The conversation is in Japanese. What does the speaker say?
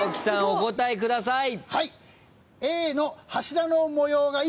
お答えください。